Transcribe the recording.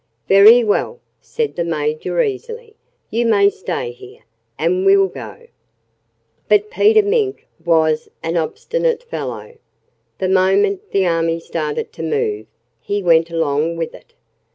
"Very well," said the Major easily. "You may stay here; and we'll go." But Peter Mink was an obstinate fellow. The moment the army started to move, he went along with it.